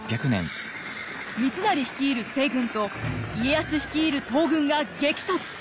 三成率いる西軍と家康率いる東軍が激突！